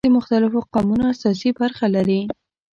د مختلفو قومونو استازي برخه ولري.